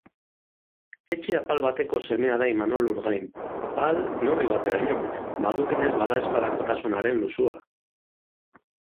Etxe apal bateko semea da Imanol Lurgain. Apal, neurri bateraino, badutenez badaezpadakotasunaren luxua.